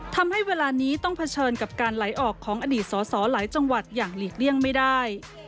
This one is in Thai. ทำให้เวลานี้ต้องเผชิญกับการไหลออกของอดีตสอสอหลายจังหวัดอย่างหลีกเลี่ยงไม่ได้